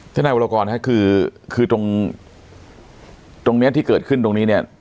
ท่านนายวรากรนะครับคือคือตรงตรงเนี้ยที่เกิดขึ้นตรงนี้เนี่ย